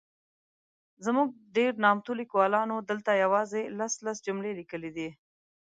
زموږ ډېر نامتو لیکوالانو دلته یوازي لس ،لس جملې لیکلي دي.